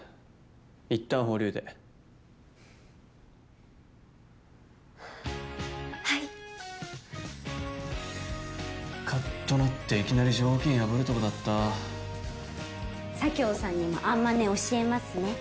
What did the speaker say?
いったん保留ではいカッとなっていきなり条件破るとこだった佐京さんにもアンマネ教えますね